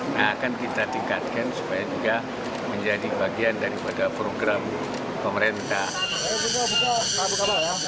nah akan kita tingkatkan supaya juga menjadi bagian daripada program pemerintah